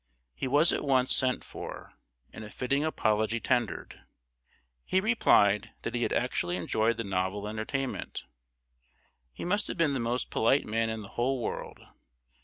He was at once sent for, and a fitting apology tendered. He replied that he had actually enjoyed the novel entertainment. He must have been the most polite man in the whole world.